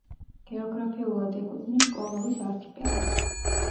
გეოგრაფიულად ეკუთვნის კომორის არქიპელაგს.